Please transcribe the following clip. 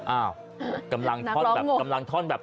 อ้าวกำลังท่อนแบบกำลังท่อนแบบ